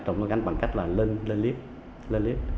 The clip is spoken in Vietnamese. trồng bằng cách là lên liếp